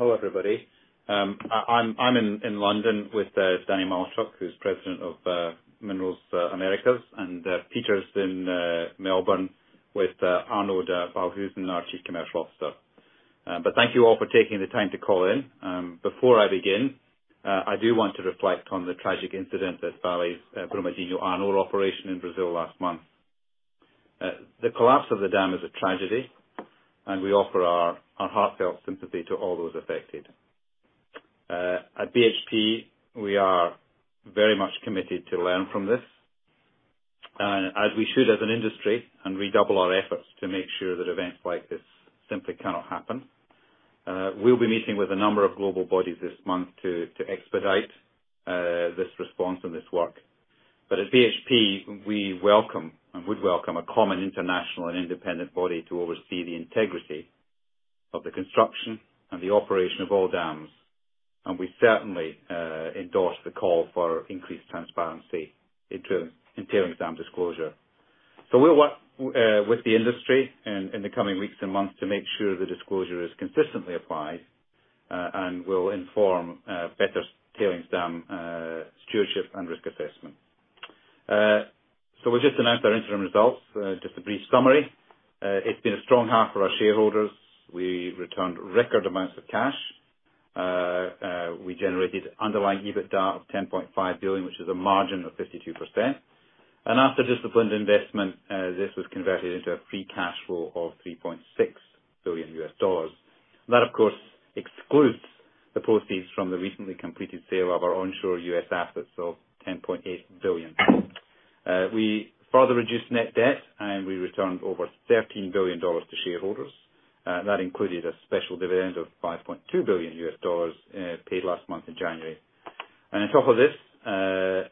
Hello, everybody. I'm in London with Danny Malchuk, who is President of Minerals Americas. Peter's in Melbourne with Arnoud Balhuizen, our Chief Commercial Officer. Thank you all for taking the time to call in. Before I begin, I do want to reflect on the tragic incident at Vale's Brumadinho iron ore operation in Brazil last month. The collapse of the dam is a tragedy, and we offer our heartfelt sympathy to all those affected. At BHP, we are very much committed to learn from this, as we should as an industry, and redouble our efforts to make sure that events like this simply cannot happen. We'll be meeting with a number of global bodies this month to expedite this response and this work. At BHP, we welcome, and would welcome a common international and independent body to oversee the integrity of the construction and the operation of all dams, and we certainly endorse the call for increased transparency in tailings dam disclosure. We'll work with the industry in the coming weeks and months to make sure the disclosure is consistently applied and will inform better tailings dam stewardship and risk assessment. We just announced our interim results. Just a brief summary. It's been a strong half for our shareholders. We returned record amounts of cash. We generated underlying EBITDA of $10.5 billion, which is a margin of 52%. After disciplined investment, this was converted into a free cash flow of $3.6 billion USD. That, of course, excludes the proceeds from the recently completed sale of our onshore U.S. assets of $10.8 billion. We further reduced net debt, we returned over $13 billion to shareholders. That included a special dividend of $5.2 billion, paid last month in January. On top of this,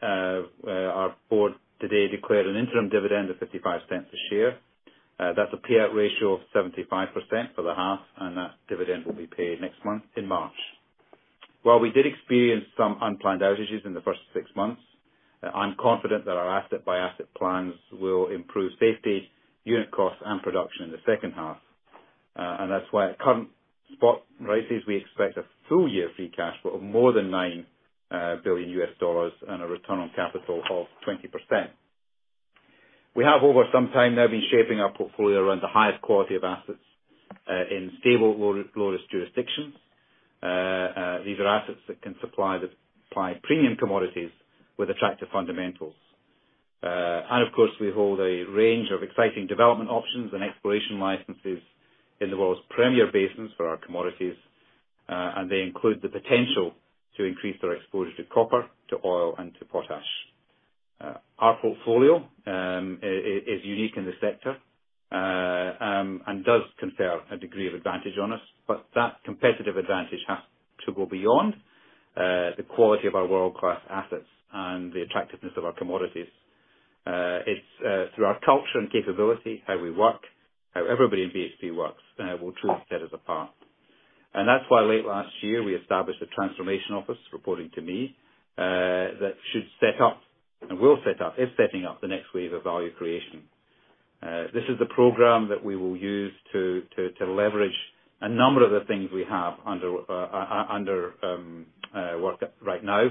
our board today declared an interim dividend of 0.55 a share. That's a payout ratio of 75% for the half, and that dividend will be paid next month, in March. While we did experience some unplanned outages in the first six months, I'm confident that our asset-by-asset plans will improve safety, unit cost, and production in the second half. That's why at current spot rates, we expect a full-year free cash flow of more than $9 billion USD, and a return on capital of 20%. We have, over some time now, been shaping our portfolio around the highest quality of assets in stable jurisdictions. These are assets that can supply premium commodities with attractive fundamentals. Of course, we hold a range of exciting development options and exploration licenses in the world's premier basins for our commodities. They include the potential to increase their exposure to copper, to oil, and to potash. Our portfolio is unique in the sector and does confer a degree of advantage on us, but that competitive advantage has to go beyond the quality of our world-class assets and the attractiveness of our commodities. It's through our culture and capability, how we work, how everybody in BHP works, will truly set us apart. That's why late last year, we established a transformation office, reporting to me, that should set up, and will set up, is setting up the next wave of value creation. This is the program that we will use to leverage a number of the things we have under work right now.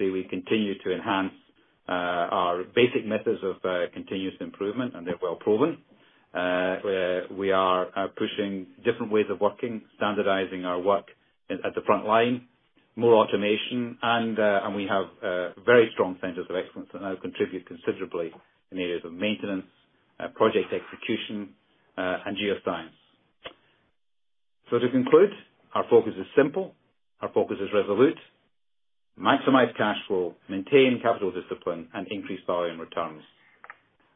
We continue to enhance our basic methods of continuous improvement, and they're well proven. We are pushing different ways of working, standardizing our work at the front line, more automation, and we have very strong centers of excellence that now contribute considerably in areas of maintenance, project execution, and geoscience. To conclude, our focus is simple, our focus is resolute. Maximize cash flow, maintain capital discipline, and increase value and returns.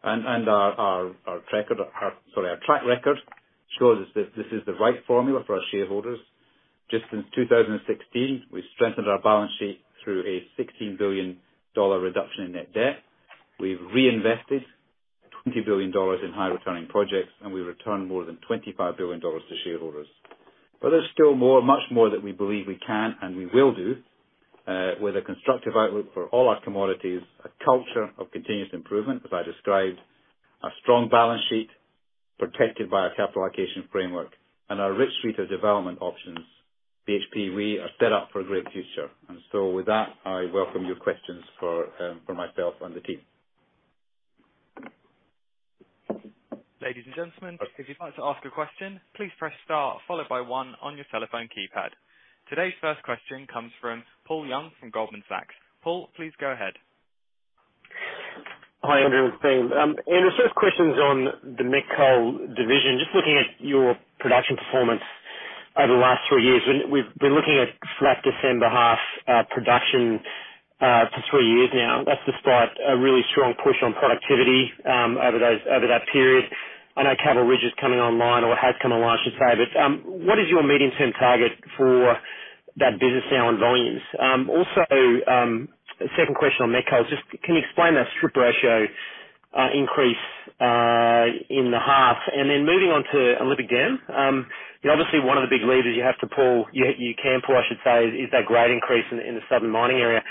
Our track record shows that this is the right formula for our shareholders. Just since 2016, we've strengthened our balance sheet through a $16 billion reduction in net debt. We've reinvested $20 billion in high-returning projects, and we returned more than $25 billion to shareholders. There's still more, much more that we believe we can and we will do. With a constructive outlook for all our commodities, a culture of continuous improvement, as I described, a strong balance sheet protected by our capital allocation framework, and our rich suite of development options. BHP, we are set up for a great future. With that, I welcome your questions for myself and the team. Ladies and gentlemen, if you'd like to ask a question, please press star followed by one on your telephone keypad. Today's first question comes from Paul Young from Goldman Sachs. Paul, please go ahead. Hi, Andrew and team. Andrew, first question's on the Met Coal division. Just looking at your production performance over the last three years. We've been looking at flat December half production for three years now. That's despite a really strong push on productivity over that period. I know Caval Ridge is coming online, or has come online, I should say. What is your medium-term target for that business now and volumes? Also, second question on Met Coal. Just can you explain that strip ratio increase in the half? Moving on to Olympic Dam. One of the big levers you have to pull, you can pull, I should say, is that grade increase in the Southern Mining Area.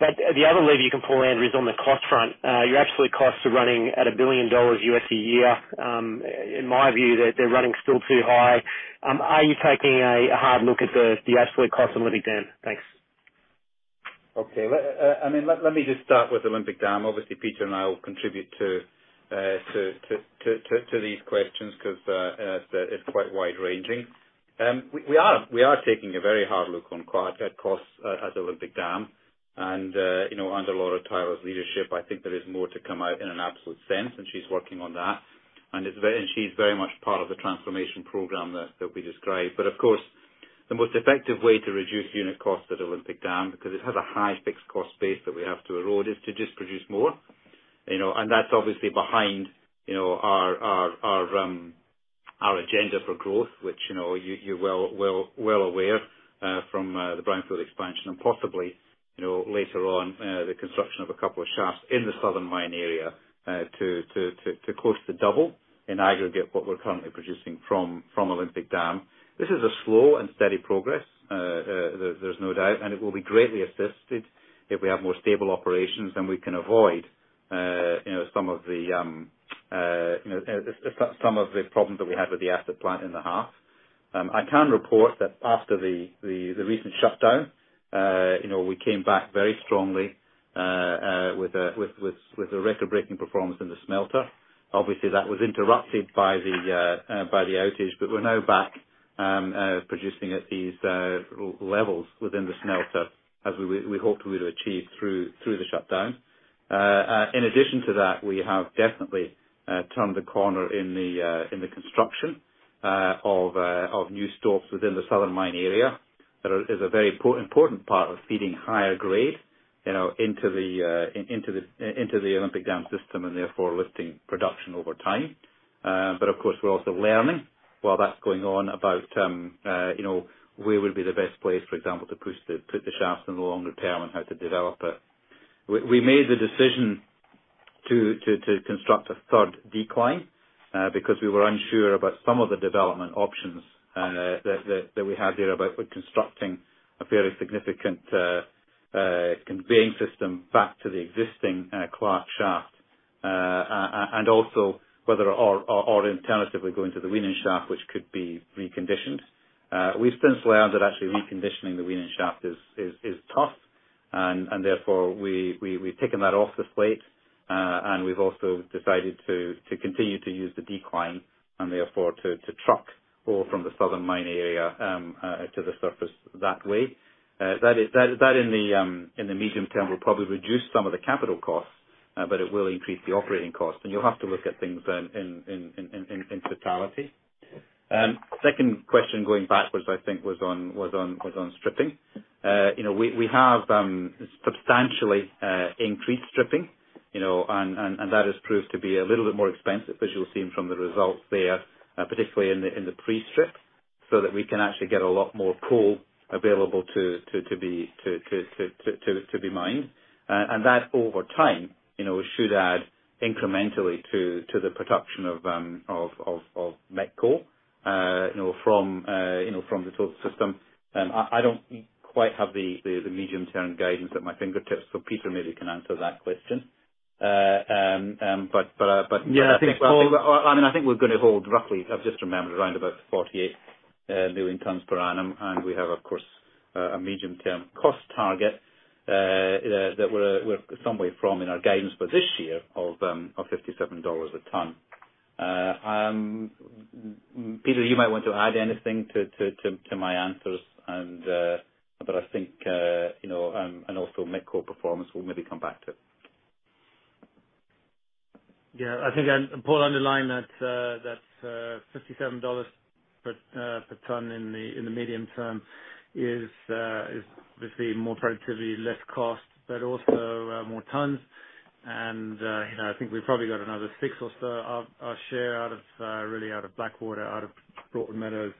The other lever you can pull, Andrew, is on the cost front. Your absolute costs are running at $1 billion a year. In my view, they're running still too high. Are you taking a hard look at the absolute cost of Olympic Dam? Thanks. Okay. Let me just start with Olympic Dam. Obviously, Peter and I will contribute to these questions because it's quite wide-ranging. We are taking a very hard look on costs at Olympic Dam and under Laura Tyler's leadership, I think there is more to come out in an absolute sense, and she's working on that. She's very much part of the transformation program that we described. Of course, the most effective way to reduce unit costs at Olympic Dam, because it has a high fixed cost base that we have to erode, is to just produce more. That's obviously behind our agenda for growth, which you're well aware from the Brownfield expansion and possibly later on, the construction of a couple of shafts in the southern mine area to close to double in aggregate what we're currently producing from Olympic Dam. This is a slow and steady progress, there's no doubt, it will be greatly assisted if we have more stable operations, then we can avoid some of the problems that we had with the acid plant in the half. I can report that after the recent shutdown, we came back very strongly with a record-breaking performance in the smelter. Obviously, that was interrupted by the outage, but we're now back producing at these levels within the smelter as we hoped we'd achieve through the shutdown. In addition to that, we have definitely turned the corner in the construction of new stops within the southern mine area. That is a very important part of feeding higher grade into the Olympic Dam system and therefore lifting production over time. Of course, we're also learning while that's going on about where would be the best place, for example, to put the shafts in the longer term and how to develop it. We made the decision to construct a third decline because we were unsure about some of the development options that we had there about constructing a fairly significant conveying system back to the existing Clark shaft, or alternatively, going to the Winning shaft, which could be reconditioned. We've since learned that actually reconditioning the Winning shaft is tough, therefore, we've taken that off the slate, we've also decided to continue to use the decline and therefore to truck ore from the southern mine area to the surface that way. That in the medium term, will probably reduce some of the capital costs, but it will increase the operating cost. You'll have to look at things in totality. Second question going backwards, I think, was on stripping. We have substantially increased stripping, and that has proved to be a little bit more expensive, as you'll have seen from the results there, particularly in the pre-strip, so that we can actually get a lot more coal available to be mined. That over time should add incrementally to the production of met coal from the BMA system. I don't quite have the medium-term guidance at my fingertips, so Peter maybe can answer that question. Yeah. I think we're going to hold roughly, I've just remembered, around about 48 million tons per annum, and we have, of course, a medium-term cost target that we're somewhere from in our guidance for this year of $57 a ton. Peter, you might want to add anything to my answers, but I think also met coal performance we'll maybe come back to. Paul underlined that $57 per ton in the medium term is obviously more productivity, less cost, but also more tons. I think we've probably got another six or so a share really out of Blackwater, out of Broadmeadow,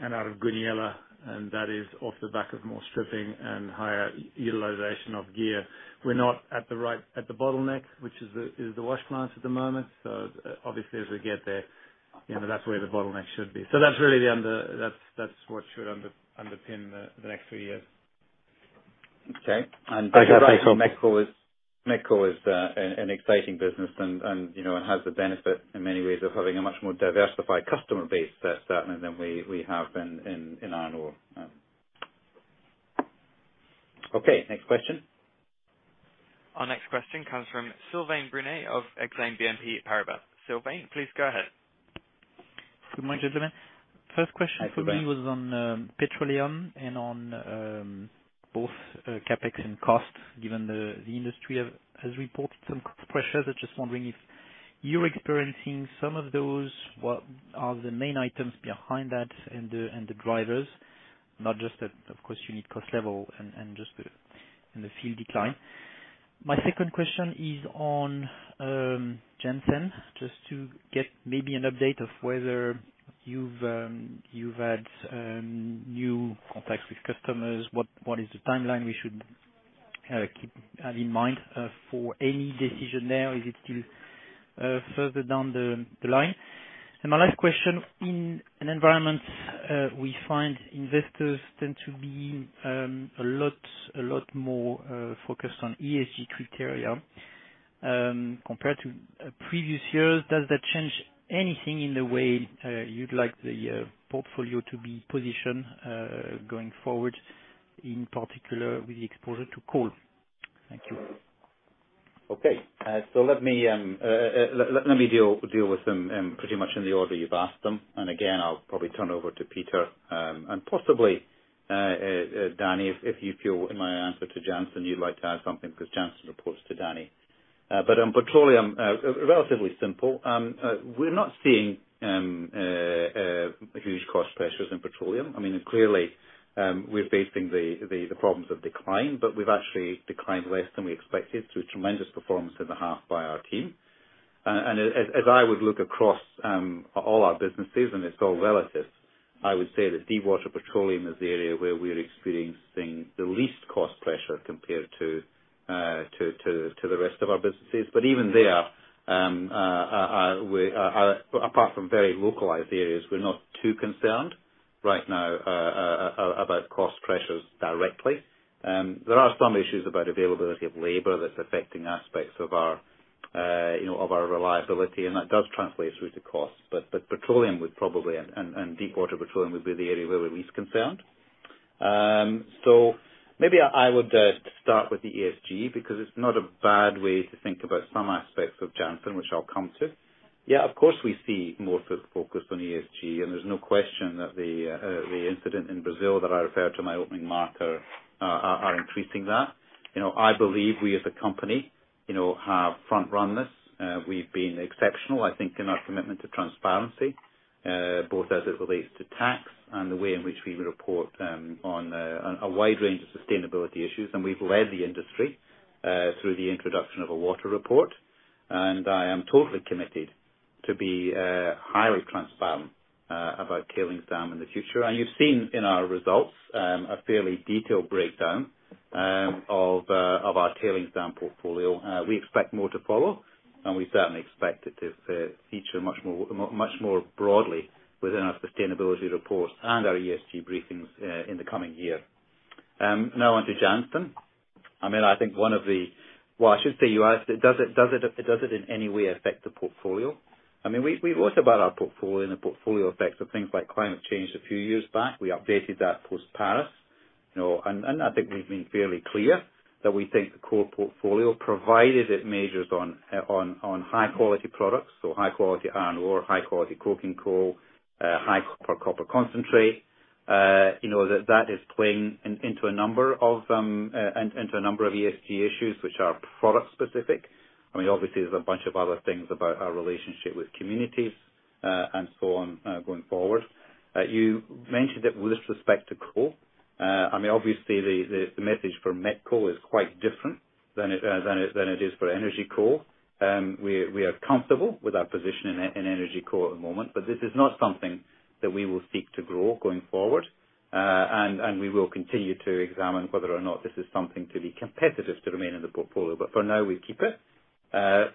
and out of Goonyella, and that is off the back of more stripping and higher utilization of gear. We're not at the bottleneck, which is the wash plants at the moment. Obviously as we get there, that's where the bottleneck should be. That's what should underpin the next three years. Met coal is an exciting business and it has the benefit in many ways of having a much more diversified customer base certainly than we have in iron ore. Next question. Our next question comes from Sylvain Brunet of Exane BNP Paribas. Sylvain, please go ahead. Good morning, gentlemen. First question for me- Hi, Sylvain. My first question was on petroleum and on both CapEx and costs, given the industry has reported some pressures. I'm just wondering if you're experiencing some of those. What are the main items behind that and the drivers? Not just at, of course, unit cost level and just the field decline. My second question is on Jansen, just to get maybe an update of whether you've had new contacts with customers. What is the timeline we should have in mind for any decision there? Is it still further down the line? My last question, in an environment, we find investors tend to be a lot more focused on ESG criteria compared to previous years. Does that change anything in the way you'd like the portfolio to be positioned, going forward, in particular with the exposure to coal? Thank you. Let me deal with them pretty much in the order you've asked them. Again, I'll probably turn over to Peter, and possibly Danny, if you feel in my answer to Jansen, you'd like to add something, because Jansen reports to Danny. Petroleum, relatively simple. We're not seeing huge cost pressures in petroleum. Clearly, we're facing the problems of decline, but we've actually declined less than we expected through tremendous performance in the half by our team. As I would look across all our businesses, and it's all relative, I would say that deep water petroleum is the area where we're experiencing the least cost pressure compared to the rest of our businesses. Even there, apart from very localized areas, we're not too concerned right now about cost pressures directly. There are some issues about availability of labor that's affecting aspects of our reliability, and that does translate through to cost. Petroleum would probably, and deep water petroleum would be the area we're least concerned. Maybe I would start with the ESG, because it's not a bad way to think about some aspects of Jansen, which I'll come to. Yes, of course, we see more focus on ESG, and there's no question that the incident in Brazil that I referred to in my opening mark are increasing that. I believe we as a company have front run this. We've been exceptional, I think, in our commitment to transparency, both as it relates to tax and the way in which we report on a wide range of sustainability issues. We've led the industry through the introduction of a water report. I am totally committed to be highly transparent about tailings dam in the future. You've seen in our results a fairly detailed breakdown of our tailings dam portfolio. We expect more to follow, and we certainly expect it to feature much more broadly within our sustainability report and our ESG briefings in the coming year. On to Jansen. I should say you asked, does it in any way affect the portfolio? We wrote about our portfolio and the portfolio effects of things like climate change a few years back. We updated that post Paris. I think we've been fairly clear that we think the core portfolio, provided it majors on high quality products, so high quality iron ore, high quality coking coal, high copper concentrate, that is playing into a number of ESG issues which are product specific. There's a bunch of other things about our relationship with communities, and so on going forward. You mentioned it with respect to coal. The message for met coal is quite different than it is for energy coal. We are comfortable with our position in energy coal at the moment, but this is not something that we will seek to grow going forward. We will continue to examine whether or not this is something to be competitive to remain in the portfolio. But for now, we keep it.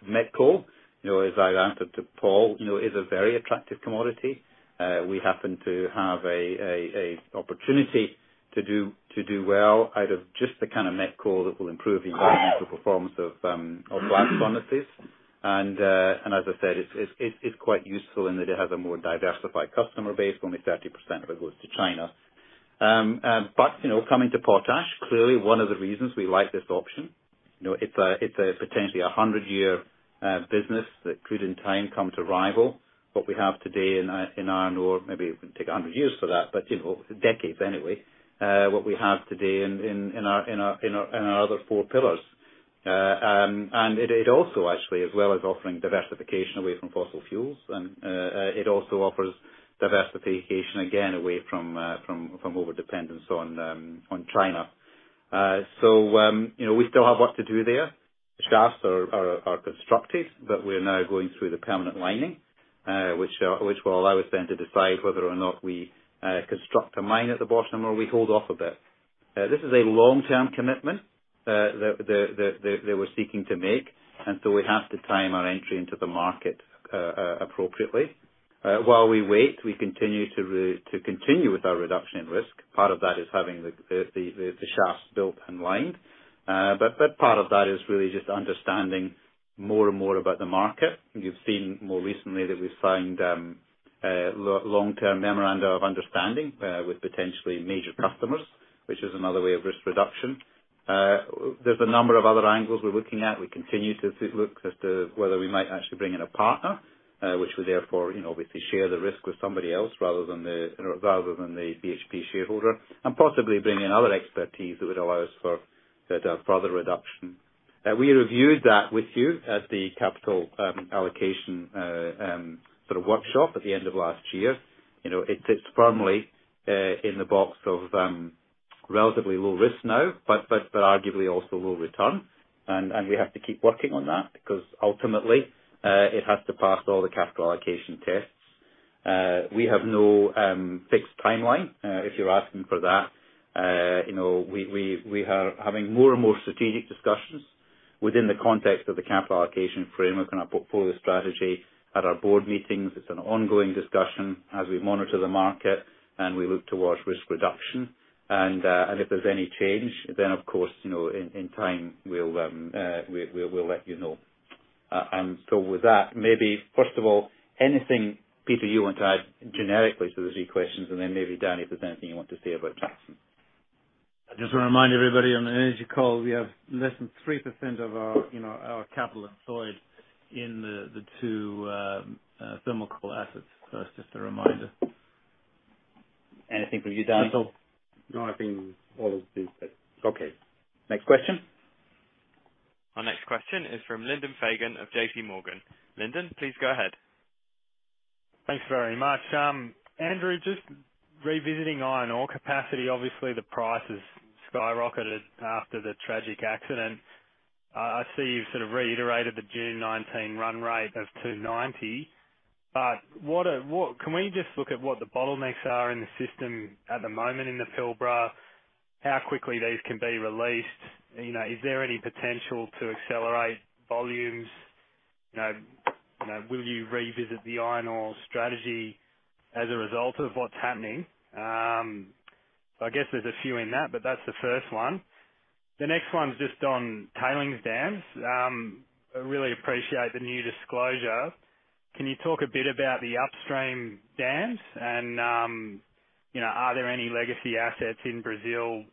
Met coal, as I answered to Paul, is a very attractive commodity. We happen to have an opportunity to do well out of just the kind of met coal that will improve the overall performance of blast furnaces. As I said, it's quite useful in that it has a more diversified customer base, only 30% of it goes to China. Coming to potash, clearly one of the reasons we like this option, it's potentially 100-year business that could in time come to rival what we have today in iron ore. Maybe it would take 100 years for that, but decades anyway, what we have today in our other four pillars. It also actually, as well as offering diversification away from fossil fuels, and it also offers diversification again away from overdependence on China. We still have work to do there. Shafts are constructive, but we're now going through the permanent lining, which will allow us then to decide whether or not we construct a mine at the bottom or we hold off a bit. This is a long-term commitment that we're seeking to make, we have to time our entry into the market appropriately. While we wait, we continue with our reduction in risk. Part of that is having the shafts built and lined. Part of that is really just understanding more and more about the market. You've seen more recently that we've signed long-term memoranda of understanding with potentially major customers, which is another way of risk reduction. There's a number of other angles we're looking at. We continue to look as to whether we might actually bring in a partner, which would therefore obviously share the risk with somebody else rather than the BHP shareholder, and possibly bring in other expertise that would allow us for further reduction. We reviewed that with you at the capital allocation sort of workshop at the end of last year. It sits firmly in the box of relatively low risk now, but arguably also low return. We have to keep working on that because ultimately, it has to pass all the capital allocation tests. We have no fixed timeline, if you're asking for that. We are having more and more strategic discussions within the context of the capital allocation framework and our portfolio strategy at our board meetings, it's an ongoing discussion as we monitor the market and we look towards risk reduction. If there's any change, then, of course, in time, we'll let you know. With that, maybe first of all, anything, Peter, you want to add generically to the three questions, then maybe Dan, if there's anything you want to say about Jansen. I just want to remind everybody on the energy call, we have less than 3% of our capital employed in the two thermal coal assets first, just a reminder. Anything from you, Daniel? No. I think all has been said. Okay. Next question. Our next question is from Lyndon Fagan of J.P. Morgan. Lyndon, please go ahead. Thanks very much. Andrew, just revisiting iron ore capacity. Obviously, the price has skyrocketed after the tragic accident. I see you've sort of reiterated the June 19 run rate of 290. Can we just look at what the bottlenecks are in the system at the moment in the Pilbara? How quickly these can be released? Is there any potential to accelerate volumes? Will you revisit the iron ore strategy as a result of what's happening? I guess there's a few in that, but that's the first one. The next one's just on tailings dams. I really appreciate the new disclosure. Can you talk a bit about the upstream dams and are there any legacy assets in Brazil?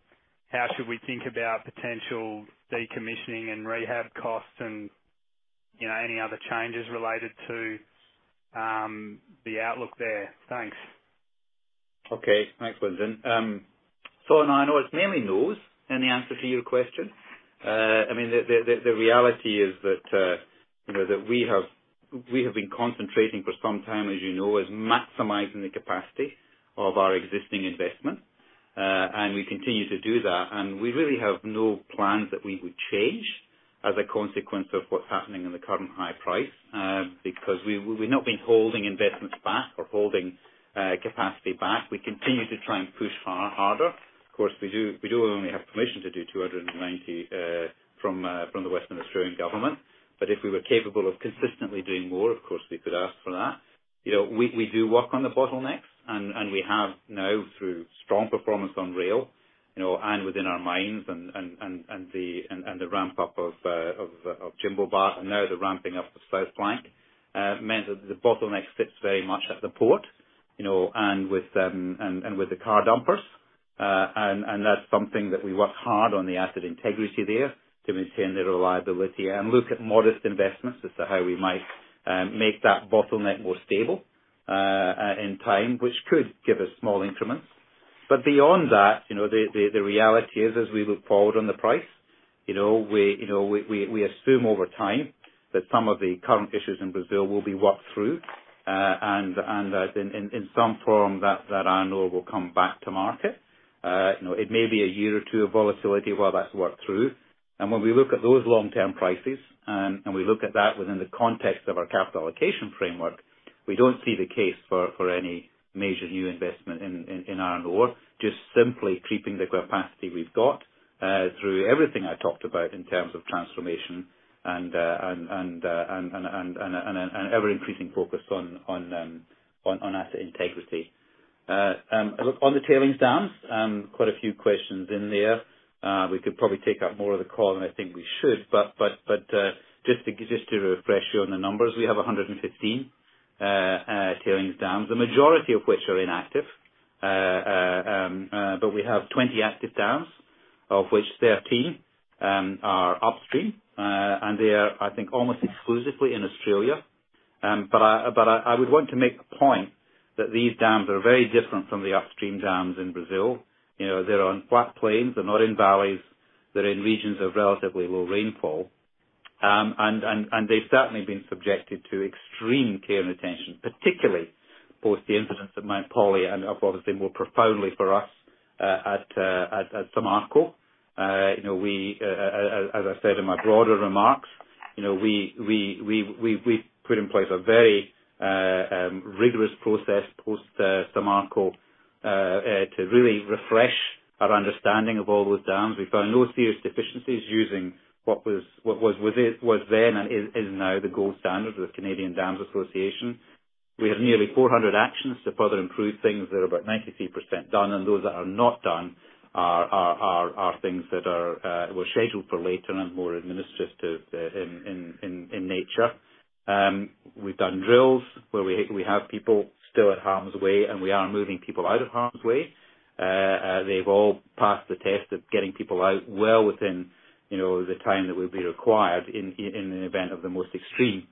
How should we think about potential decommissioning and rehab costs and any other changes related to the outlook there? Thanks. Okay. Thanks, Lyndon. On iron ore, it's mainly no's in the answer to your question. The reality is that we have been concentrating for some time, as you know, is maximizing the capacity of our existing investment. We continue to do that. We really have no plans that we would change as a consequence of what's happening in the current high price, because we've not been holding investments back or holding capacity back. We continue to try and push far harder. Of course, we do only have permission to do 290 from the Western Australian Government. If we were capable of consistently doing more, of course, we could ask for that. We do work on the bottlenecks, we have now through strong performance on rail, within our mines and the ramp up of Jimblebar, and now the ramping up of South Flank, meant that the bottleneck sits very much at the port, and with the car dumpers. That's something that we work hard on the asset integrity there to maintain the reliability and look at modest investments as to how we might make that bottleneck more stable in time, which could give us small increments. Beyond that, the reality is as we look forward on the price, we assume over time that some of the current issues in Brazil will be worked through. That in some form that iron ore will come back to market. It may be a year or two of volatility while that's worked through. When we look at those long-term prices and we look at that within the context of our capital allocation framework, we don't see the case for any major new investment in iron ore, just simply keeping the capacity we've got through everything I talked about in terms of transformation and an ever-increasing focus on asset integrity. On the tailings dams, quite a few questions in there. We could probably take up more of the call than I think we should, but just to refresh you on the numbers, we have 115 tailings dams, the majority of which are inactive. We have 20 active dams, of which 13 are upstream. They are, I think, almost exclusively in Australia. I would want to make a point that these dams are very different from the upstream dams in Brazil. They're on flat plains. They're not in valleys. They're in regions of relatively low rainfall. They've certainly been subjected to extreme care and attention, particularly post the incidents at Brumadinho and of what has been more profoundly for us at Samarco. As I said in my broader remarks, we put in place a very rigorous process post Samarco to really refresh our understanding of all those dams. We found no serious deficiencies using what was then and is now the gold standard with Canadian Dam Association. We have nearly 400 actions to further improve things that are about 93% done, and those that are not done are things that were scheduled for later and more administrative in nature. We've done drills where we have people still at harm's way, and we are moving people out of harm's way. They've all passed the test of getting people out well within the time that will be required in an event of the most extreme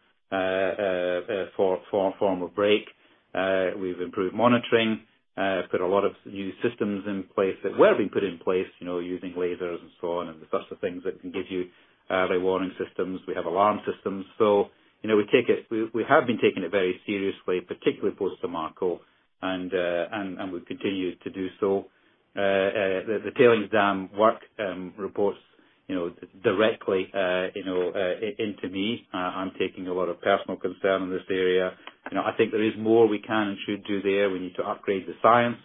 form of break. We've improved monitoring, put a lot of new systems in place that were being put in place, using lasers and so on, and such things that can give you early warning systems. We have alarm systems. We have been taking it very seriously, particularly post Samarco, and we continue to do so. The tailings dam work reports directly into me. I'm taking a lot of personal concern in this area. I think there is more we can and should do there. We need to upgrade the science.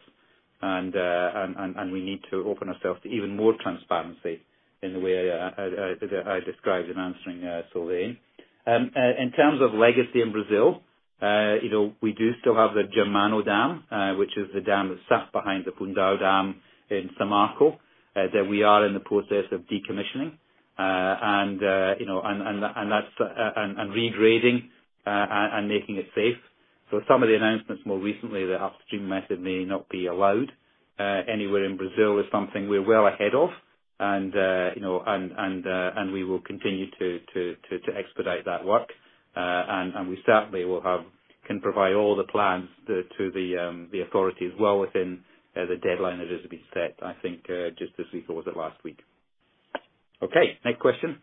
We need to open ourselves to even more transparency in the way I described in answering Sylvain. In terms of legacy in Brazil, we do still have the Germano Dam, which is the dam that sat behind the Fundão Dam in Samarco, that we are in the process of decommissioning and regrading and making it safe. Some of the announcements more recently, the upstream method may not be allowed anywhere in Brazil is something we're well ahead of. We will continue to expedite that work. We certainly can provide all the plans to the authorities well within the deadline that is to be set, I think, just this week or the last week. Okay. Next question.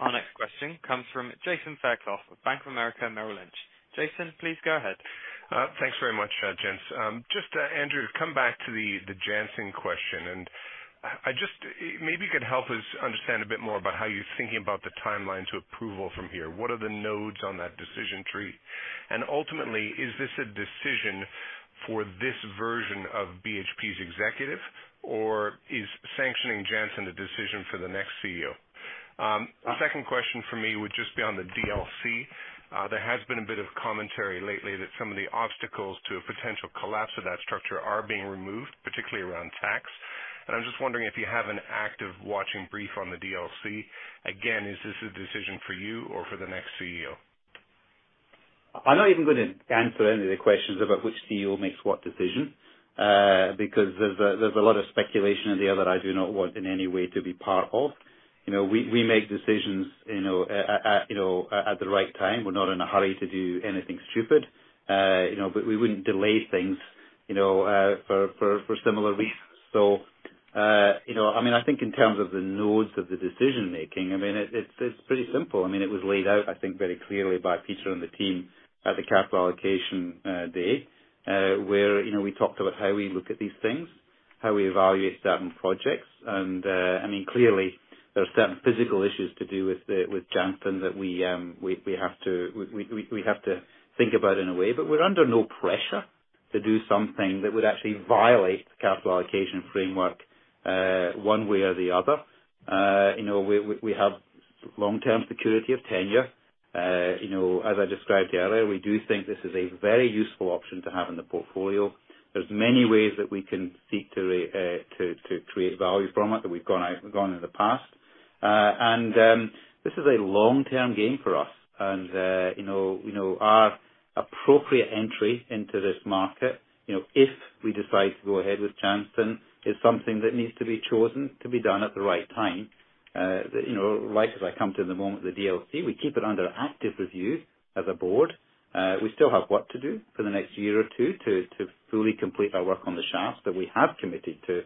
Our next question comes from Jason Fairclough of Bank of America Merrill Lynch. Jason, please go ahead. Thanks very much, gents. Just Andrew, come back to the Jansen question, maybe you could help us understand a bit more about how you're thinking about the timeline to approval from here. What are the nodes on that decision tree? Ultimately, is this a decision for this version of BHP's executive, or is sanctioning Jansen a decision for the next CEO? The second question for me would just be on the DLC. There has been a bit of commentary lately that some of the obstacles to a potential collapse of that structure are being removed, particularly around tax. I'm just wondering if you have an active watching brief on the DLC. Again, is this a decision for you or for the next CEO? I'm not even going to answer any of the questions about which CEO makes what decision, because there's a lot of speculation in there that I do not want in any way to be part of. We make decisions at the right time. We're not in a hurry to do anything stupid. We wouldn't delay things for similar reasons. I think in terms of the nodes of the decision making, it's pretty simple. It was laid out, I think, very clearly by Peter and the team at the capital allocation day, where we talked about how we look at these things, how we evaluate certain projects. Clearly, there are certain physical issues to do with Jansen that we have to think about in a way. We're under no pressure to do something that would actually violate the Capital Allocation Framework one way or the other. We have long-term security of tenure. As I described earlier, we do think this is a very useful option to have in the portfolio. There's many ways that we can seek to create value from it that we've gone in the past. This is a long-term game for us. Our appropriate entry into this market, if we decide to go ahead with Jansen, is something that needs to be chosen to be done at the right time. Like as I come to the moment with the DLC, we keep it under active review as a board. We still have work to do for the next year or two to fully complete our work on the shafts that we have committed to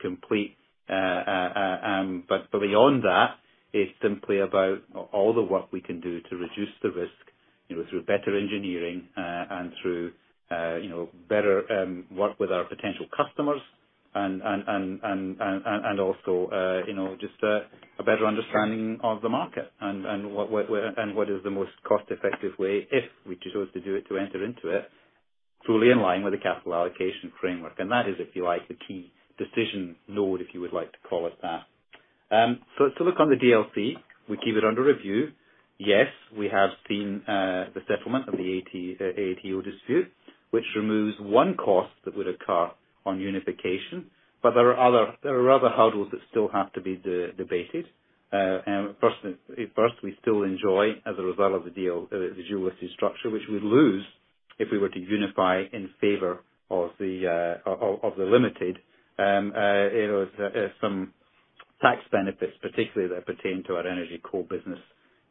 complete. Beyond that, it's simply about all the work we can do to reduce the risk through better engineering and through better work with our potential customers and also just a better understanding of the market and what is the most cost-effective way, if we chose to do it, to enter into it fully in line with the Capital Allocation Framework. That is, if you like, the key decision node, if you would like to call it that. To look on the DLC, we keep it under review. Yes, we have seen the settlement of the ATO dispute, which removes one cost that would occur on unification. There are other hurdles that still have to be debated. First, we still enjoy, as a result of the dual listing structure, which we'd lose if we were to unify in favor of the Limited. There's some tax benefits, particularly that pertain to our energy coal business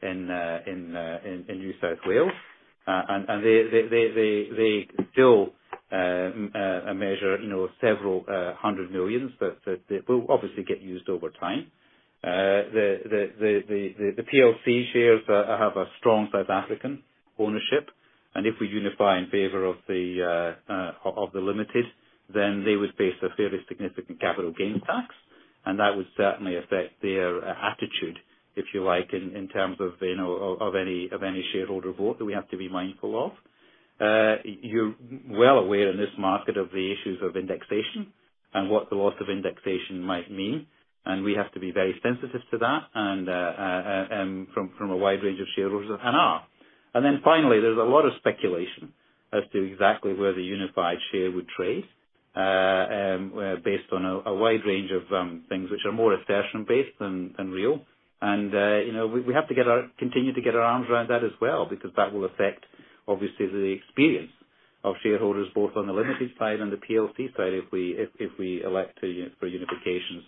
in New South Wales. They still measure $several hundred million that will obviously get used over time. The PLC shares have a strong South African ownership, if we unify in favor of the Limited, then they would face a fairly significant capital gains tax, that would certainly affect their attitude, if you like, in terms of any shareholder vote that we have to be mindful of. You're well aware in this market of the issues of indexation and what the loss of indexation might mean, and we have to be very sensitive to that and from a wide range of shareholders and are. Finally, there's a lot of speculation as to exactly where the unified share would trade based on a wide range of things which are more assertion-based than real. We have to continue to get our arms around that as well because that will affect, obviously, the experience of shareholders both on the Limited side and the PLC side if we elect for unification.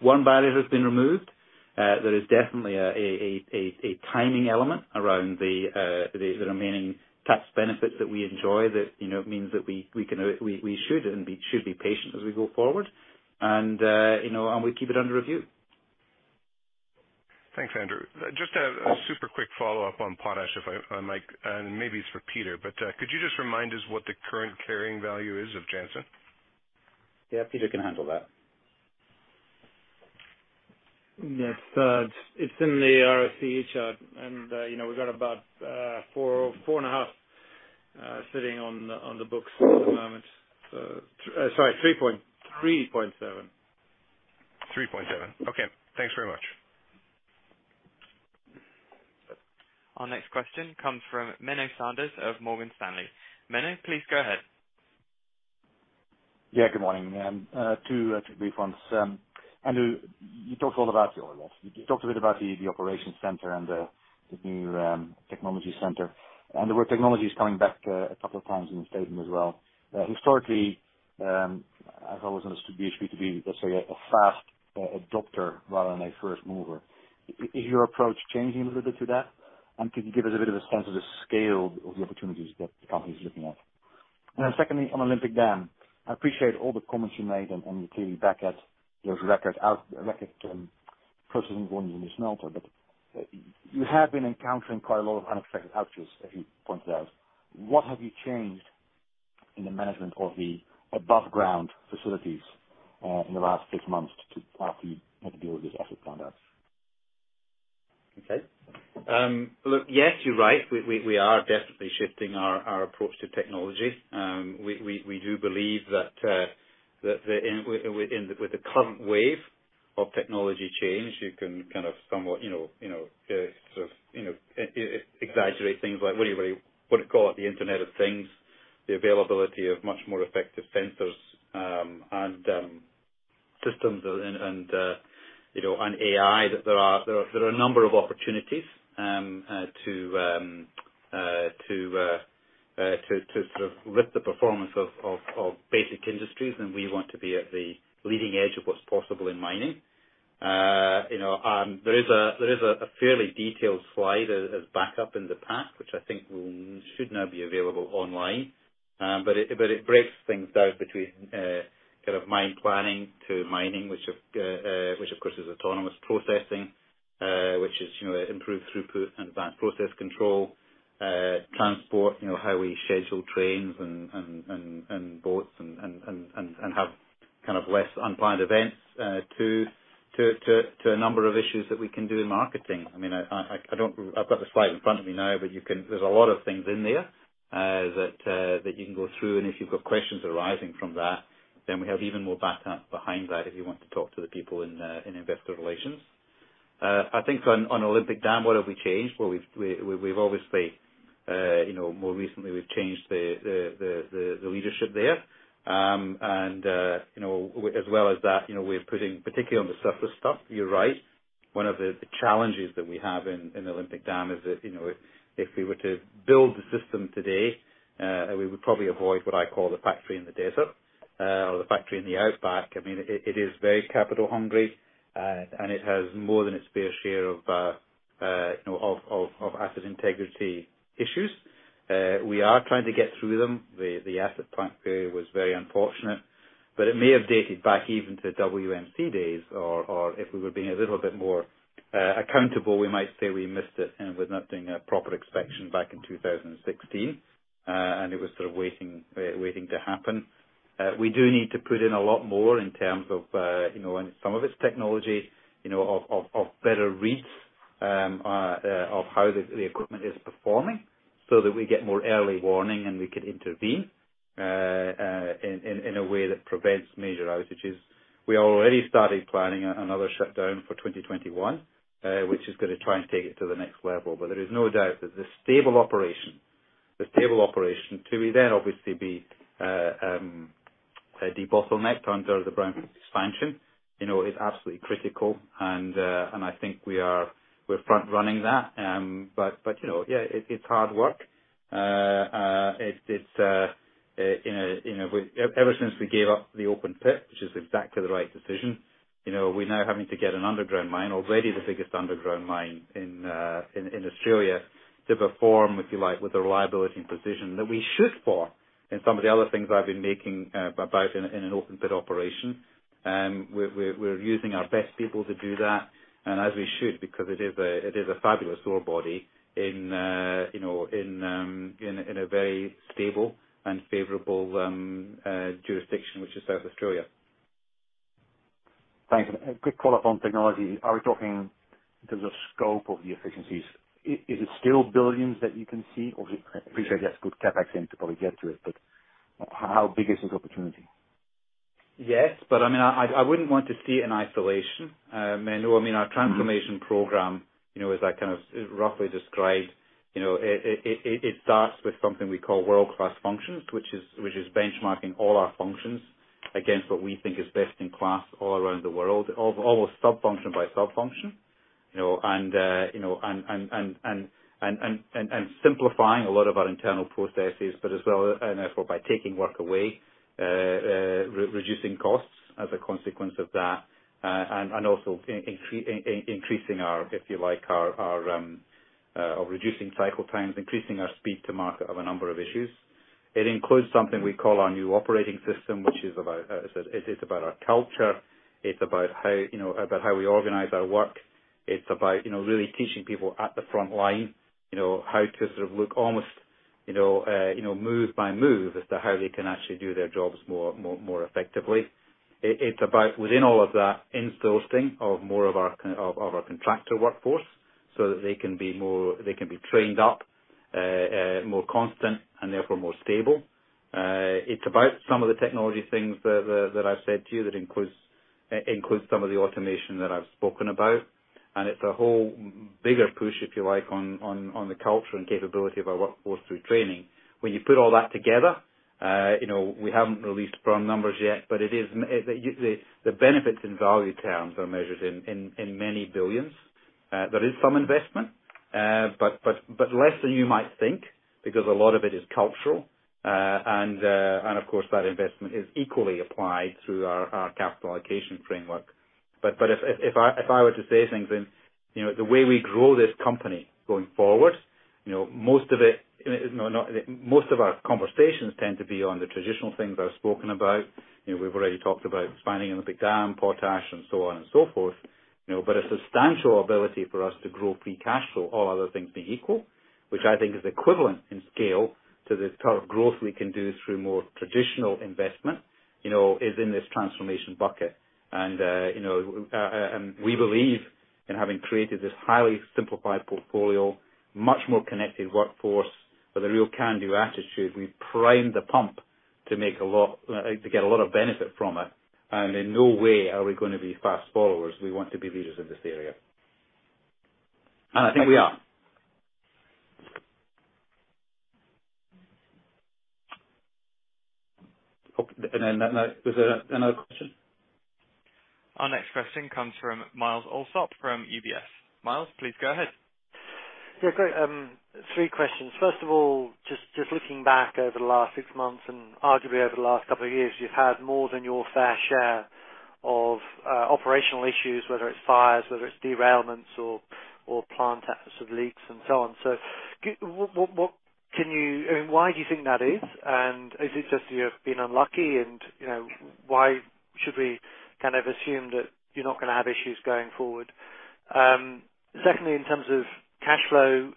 One barrier has been removed. There is definitely a timing element around the remaining tax benefits that we enjoy that means that we should be patient as we go forward. We keep it under review. Thanks, Andrew. Just a super quick follow-up on potash, if I might, and maybe it's for Peter, but could you just remind us what the current carrying value is of Jansen? Yeah, Peter can handle that. Yes. It's in the ROCE chart, we've got about $4.5 sitting on the books at the moment. Sorry, $3.7. 3.7. Okay, thanks very much. Our next question comes from Menno Sanderse of Morgan Stanley. Menno, please go ahead. Yeah, good morning. Two brief ones. Andrew, you talked a bit about the operations center and the new technology center, the word technology is coming back a couple of times in the statement as well. Historically, I've always understood BHP to be, let's say, a fast adopter rather than a first mover. Is your approach changing a little bit to that? Could you give us a bit of a sense of the scale of the opportunities that the company's looking at? Secondly, on Olympic Dam. I appreciate all the comments you made, and you're clearly back at those record processing volumes in the smelter, but you have been encountering quite a lot of unexpected outages, as you pointed out. What have you changed in the management of the above ground facilities in the last six months to deal with this asset performance? Okay. Look, yes, you're right. We are definitely shifting our approach to technology. We do believe that with the current wave of technology change, you can somewhat exaggerate things like, what do you call it, the Internet of Things, the availability of much more effective sensors, and systems and AI. There are a number of opportunities to sort of lift the performance of basic industries, we want to be at the leading edge of what's possible in mining. There is a fairly detailed slide as backup in the pack, which I think should now be available online. It breaks things down between mine planning to mining, which, of course, is autonomous processing, which is improved throughput and advanced process control, transport, how we schedule trains and boats and have less unplanned events, to a number of issues that we can do in marketing. I've got the slide in front of me now, but there's a lot of things in there that you can go through, and if you've got questions arising from that, then we have even more backup behind that if you want to talk to the people in investor relations. I think on Olympic Dam, what have we changed? Well, more recently, we've changed the leadership there. As well as that, we're putting, particularly on the surface stuff, you're right. One of the challenges that we have in Olympic Dam is that if we were to build the system today, we would probably avoid what I call the factory in the desert or the factory in the outback. It is very capital hungry, and it has more than its fair share of asset integrity issues. We are trying to get through them. The asset plant failure was very unfortunate, but it may have dated back even to WMC days. If we were being a little bit more accountable, we might say we missed it with not doing a proper inspection back in 2016, and it was sort of waiting to happen. We do need to put in a lot more in terms of some of its technology, of better reads of how the equipment is performing so that we get more early warning and we can intervene in a way that prevents major outages. We already started planning another shutdown for 2021, which is going to try and take it to the next level. There is no doubt that the stable operation to then obviously be a debottleneck under the Brownfield expansion is absolutely critical, and I think we're front-running that. Yeah, it's hard work. Ever since we gave up the open pit, which is exactly the right decision, we're now having to get an underground mine, already the biggest underground mine in Australia, to perform, if you like, with the reliability and precision that we should for in some of the other things I've been making about in an open-pit operation. We're using our best people to do that, and as we should, because it is a fabulous ore body in a very stable and favorable jurisdiction, which is South Australia. Thanks. A quick follow-up on technology. Are we talking in terms of scope of the efficiencies? Is it still $billions that you can see? Obviously, I appreciate you have good CapEx in to probably get to it, but how big is this opportunity? Yes, but I wouldn't want to see it in isolation, Menno. Our transformation program, as I roughly described, it starts with something we call world-class functions, which is benchmarking all our functions against what we think is best in class all around the world, almost sub-function by sub-function. Simplifying a lot of our internal processes, but as well and therefore by taking work away, reducing costs as a consequence of that, and also increasing our, if you like, our reducing cycle times, increasing our speed to market of a number of issues. It includes something we call our new operating system. It's about our culture. It's about how we organize our work. It's about really teaching people at the frontline how to look almost move by move as to how they can actually do their jobs more effectively. It's about within all of that, instilling more of our contractor workforce so that they can be trained up more constant and therefore more stable. It's about some of the technology things that I've said to you that includes some of the automation that I've spoken about. It's a whole bigger push, if you like, on the culture and capability of our workforce through training. When you put all that together, we haven't released firm numbers yet, but the benefits in value terms are measured in many billions. There is some investment, but less than you might think because a lot of it is cultural. Of course, that investment is equally applied through our capital allocation framework. If I were to say things in the way we grow this company going forward, most of our conversations tend to be on the traditional things I've spoken about. We've already talked about expanding in the Pilbara, potash, and so on and so forth. A substantial ability for us to grow free cash flow, all other things being equal, which I think is equivalent in scale to the type of growth we can do through more traditional investment is in this transformation bucket. We believe in having created this highly simplified portfolio, much more connected workforce with a real can-do attitude. We've primed the pump to get a lot of benefit from it, in no way are we going to be fast followers. We want to be leaders in this area. I think we are. Then was there another question? Our next question comes from Myles Allsop from UBS. Myles, please go ahead. Great. Three questions. First of all, just looking back over the last six months, and arguably over the last couple of years, you've had more than your fair share of operational issues, whether it's fires, whether it's derailments or plant leaks, and so on. Why do you think that is? Is it just you have been unlucky, and why should we assume that you're not going to have issues going forward? Secondly, in terms of cash flow,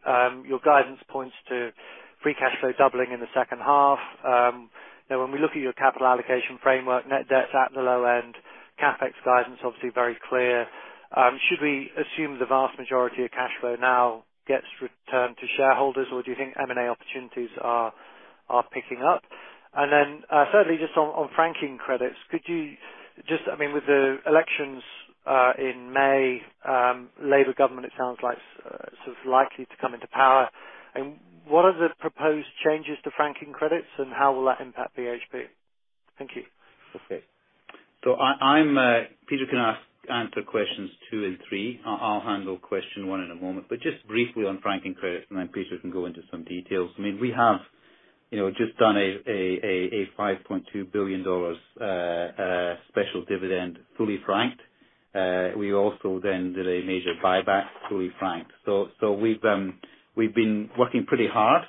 your guidance points to free cash flow doubling in the second half. When we look at your capital allocation framework, net debt's at the low end, CapEx guidance, obviously very clear. Should we assume the vast majority of cash flow now gets returned to shareholders, or do you think M&A opportunities are picking up? Thirdly, just on franking credits, with the elections in May, Labor government, it sounds like, is likely to come into power. What are the proposed changes to franking credits, and how will that impact BHP? Thank you. Peter can answer questions two and three. I'll handle question one in a moment. Briefly on franking credits, Peter can go into some details. We have just done a $5.2 billion special dividend, fully franked. We also did a major buyback, fully franked. We've been working pretty hard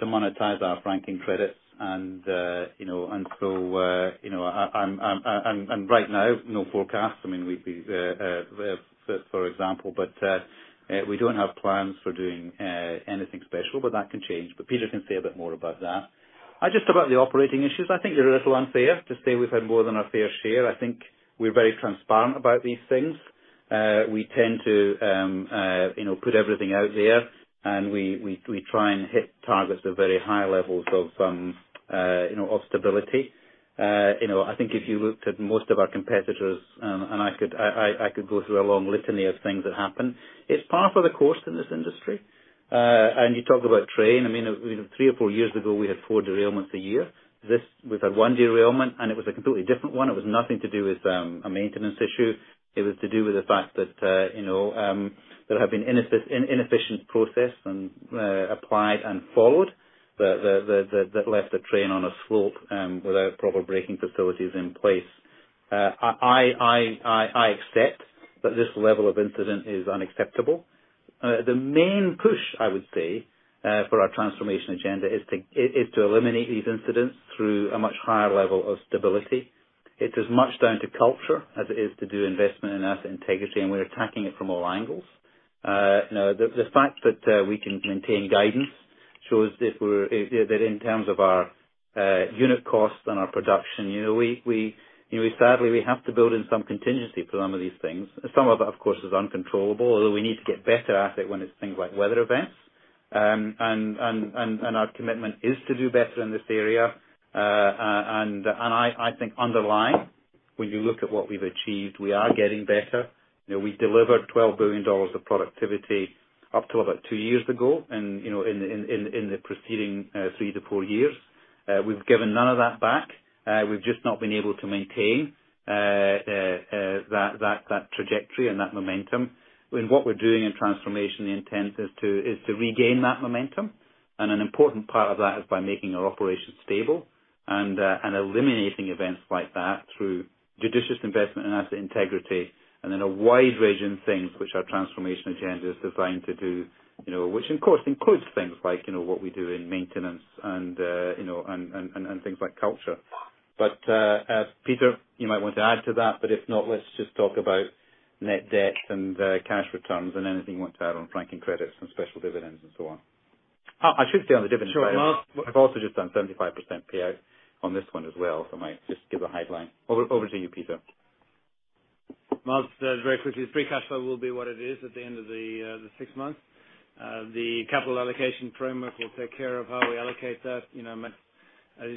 to monetize our franking credits. Right now, no forecast for example, but we don't have plans for doing anything special. That can change. Peter can say a bit more about that. Just about the operating issues, I think they're a little unfair to say we've had more than our fair share. I think we're very transparent about these things. We tend to put everything out there, and we try and hit targets at very high levels of stability. I think if you looked at most of our competitors, I could go through a long litany of things that happen. It's par for the course in this industry. You talk about train. Three or four years ago, we had four derailments a year. We've had one derailment, and it was a completely different one. It was nothing to do with a maintenance issue. It was to do with the fact that there had been inefficient process applied and followed that left a train on a slope without proper braking facilities in place. I accept that this level of incident is unacceptable. The main push, I would say, for our transformation agenda is to eliminate these incidents through a much higher level of stability. It is as much down to culture as it is to do investment in asset integrity, and we're attacking it from all angles. The fact that we can maintain guidance shows that in terms of our unit cost and our production, sadly we have to build in some contingency for some of these things. Some of it, of course, is uncontrollable, although we need to get better at it when it's things like weather events. Our commitment is to do better in this area. I think underlying, when you look at what we've achieved, we are getting better. We've delivered $12 billion of productivity up to about two years ago in the preceding three to four years. We've given none of that back. We've just not been able to maintain that trajectory and that momentum. What we're doing in transformation intent is to regain that momentum. An important part of that is by making our operations stable and eliminating events like that through judicious investment in asset integrity and then a wide range of things which our transformation agenda is designed to do, which, of course, includes things like what we do in maintenance and things like culture. Peter, you might want to add to that, but if not, let's just talk about net debt and cash returns and anything you want to add on franking credits and special dividends and so on. I should say on the dividend. Sure. I've also just done 35% payout on this one as well, so I might just give a headline. Over to you, Peter. Mark, very quickly, free cash flow will be what it is at the end of the 6 months. The capital allocation framework will take care of how we allocate that. As you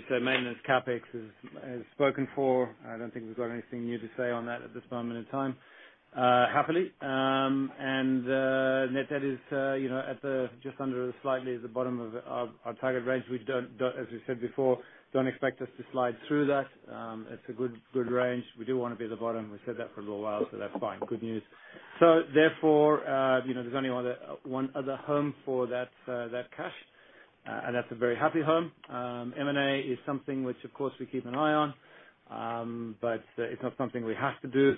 said, maintenance CapEx is spoken for. I don't think we've got anything new to say on that at this moment in time, happily. Net debt is just under, slightly at the bottom of our target range. As we said before, don't expect us to slide through that. It's a good range. We do want to be at the bottom. We've said that for a little while, so that's fine, good news. Therefore, there's only one other home for that cash, and that's a very happy home. M&A is something which of course we keep an eye on, but it's not something we have to do,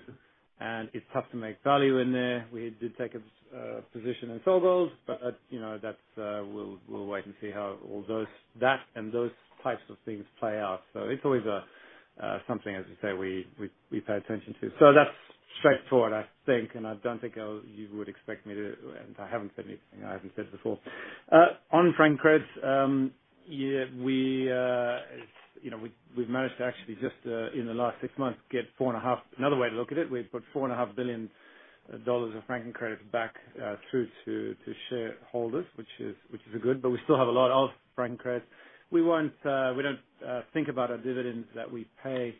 and it's tough to make value in there. We did take a position in SolGold, but we'll wait and see how that and those types of things play out. It's always something, as you say, we pay attention to. That's straightforward, I think, and I don't think you would expect me to, and I haven't said anything I haven't said before. On franking credits, we've managed to actually, just in the last six months, get four and a half. Another way to look at it, we've put $4.5 billion of franking credits back through to shareholders, which is good, but we still have a lot of franking credits. We don't think about our dividends that we pay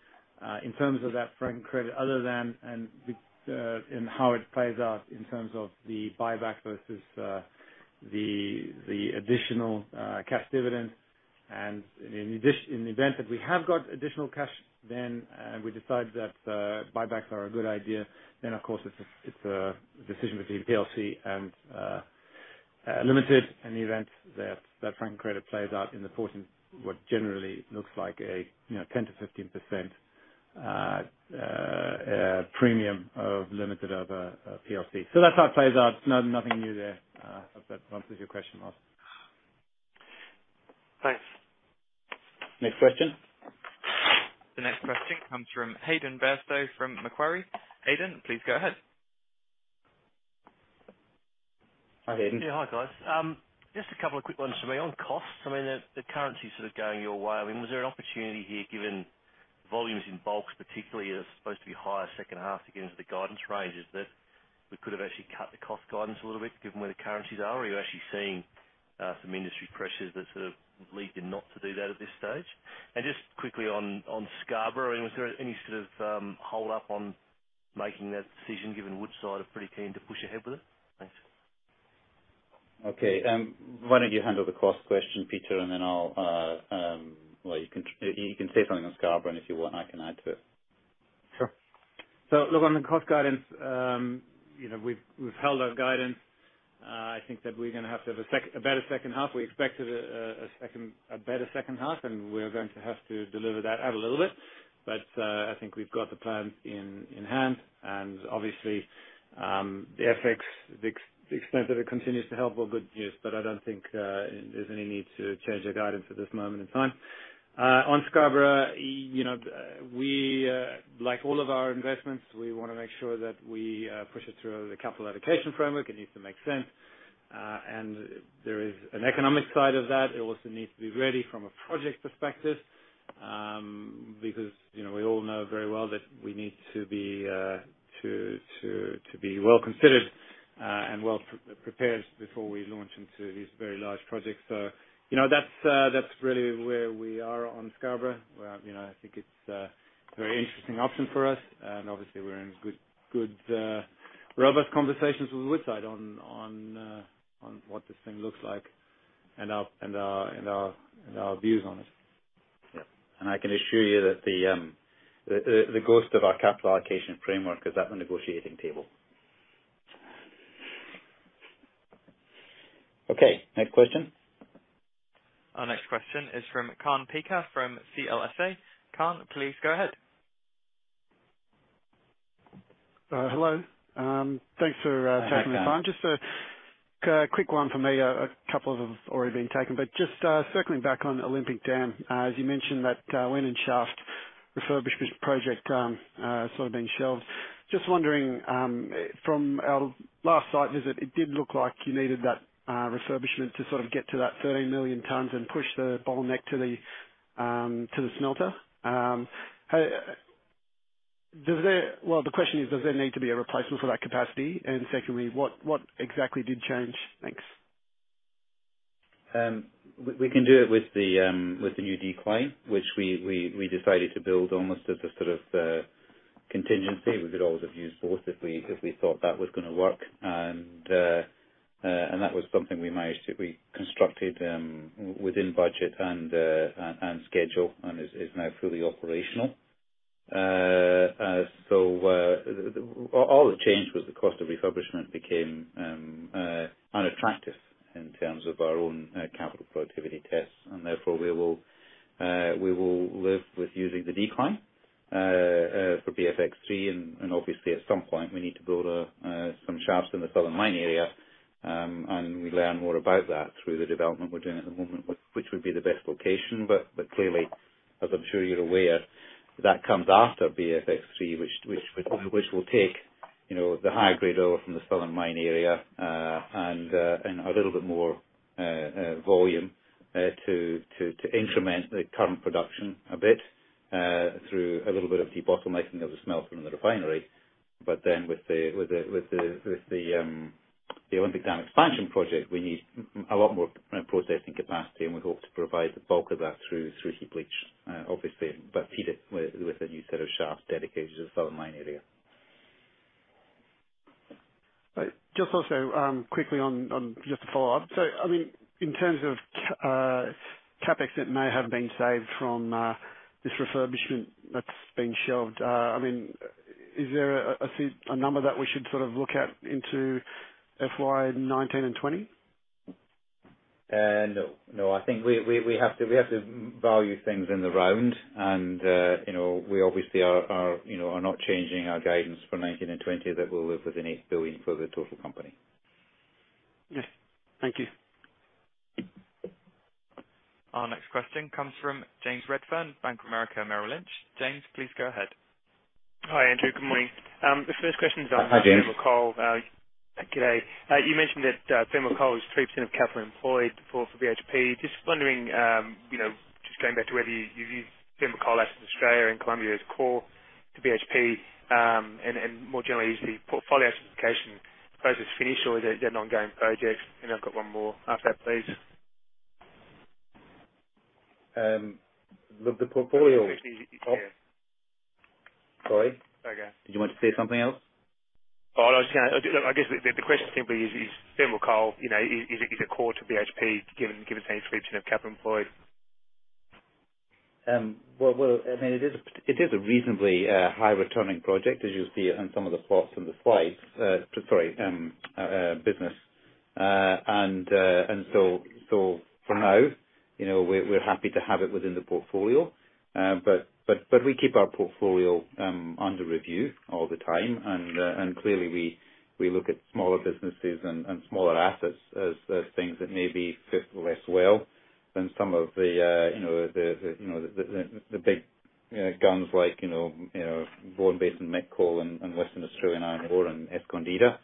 in terms of that franking credit other than in how it plays out in terms of the buyback versus the additional cash dividend. In the event that we have got additional cash, then we decide that buybacks are a good idea, then of course it's a decision between PLC and Limited in the event that that franking credit plays out in what generally looks like a 10%-15% premium of Limited over PLC. That's how it plays out. Nothing new there. I hope that answers your question, Mark. Thanks. Next question. The next question comes from Hayden Bairstow from Macquarie. Hayden, please go ahead. Hi, Hayden. Yeah. Hi, guys. Just a couple of quick ones from me. On costs, the currency sort of going your way. Was there an opportunity here given volumes in bulks particularly are supposed to be higher second half to get into the guidance ranges that we could have actually cut the cost guidance a little bit given where the currencies are? Or are you actually seeing some industry pressures that sort of lead you not to do that at this stage? Just quickly on Scarborough, was there any sort of hold up on making that decision given Woodside are pretty keen to push ahead with it? Thanks. Okay. Why don't you handle the cost question, Peter, and then you can say something on Scarborough, and if you want, I can add to it. Sure. Look on the cost guidance, we've held our guidance. I think that we're going to have to have a better second half. We expected a better second half, and we're going to have to deliver that out a little bit. I don't think there's any need to change the guidance at this moment in time. On Scarborough, like all of our investments, we want to make sure that we push it through the capital allocation framework. It needs to make sense. There is an economic side of that. It also needs to be ready from a project perspective, because we all know very well that we need to be well-considered, and well-prepared before we launch into these very large projects. That's really where we are on Scarborough. I think it's a very interesting option for us, and obviously, we're in good, robust conversations with Woodside on what this thing looks like and our views on it. Yeah. I can assure you that the ghost of our capital allocation framework is at the negotiating table. Okay, next question. Our next question is from Kaan Peker from CLSA. Kaan, please go ahead. Hello. Thanks for taking the time. Hi, Kaan. Just a quick one from me. A couple have already been taken, but just circling back on Olympic Dam. As you mentioned that Whenan Shaft refurbishment project has sort of been shelved. Just wondering, from our last site visit, it did look like you needed that refurbishment to sort of get to that 30 million tonnes and push the bottleneck to the smelter. The question is, does there need to be a replacement for that capacity? Secondly, what exactly did change? Thanks. We can do it with the new decline, which we decided to build almost as a sort of contingency. We could always have used both if we thought that was going to work. That was something we managed. We constructed within budget and schedule, and is now fully operational. All that changed was the cost of refurbishment became unattractive in terms of our own capital productivity tests. Therefore, we will live with using the decline. For BFX obviously at some point we need to build some shafts in the Southern Mine area. We learn more about that through the development we're doing at the moment, which would be the best location. Clearly, as I'm sure you're aware, that comes after BFX, which will take the higher-grade ore from the Southern Mine area and a little bit more volume to increment the current production a bit through a little bit of debottlenecking of the smelter and the refinery. Then with the Olympic Dam expansion project, we need a lot more processing capacity. We hope to provide the bulk of that through heap leach, obviously, but feed it with a new set of shafts dedicated to the Southern Mine area. Just also quickly just to follow up. In terms of CapEx that may have been saved from this refurbishment that's been shelved, is there a number that we should look at into FY 2019 and 2020? No. I think we have to value things in the round. We obviously are not changing our guidance for 2019 and 2020 that we'll live within $8 billion for the total company. Yes. Thank you. Our next question comes from James Redfern, Bank of America Merrill Lynch. James, please go ahead. Hi, Andrew. Good morning. The first question is. Hi, James. on thermal coal. You mentioned that thermal coal is 3% of capital employed for BHP. Just wondering, just going back to whether you view thermal coal assets in Australia and Colombia as core to BHP, and more generally, is the portfolio diversification process finished or is it an ongoing project? I've got one more after that, please. The portfolio. Yeah. Sorry. Okay. Did you want to say something else? I was going to. I guess the question simply is thermal coal is a core to BHP given its 3% of capital employed? It is a reasonably high returning project, as you'll see on some of the plots and the slides. Sorry, business. For now, we're happy to have it within the portfolio. We keep our portfolio under review all the time. Clearly we look at smaller businesses and smaller assets as things that maybe fit less well than some of the big guns like Bass Strait, Met Coal, and Western Australian Iron Ore and Escondida.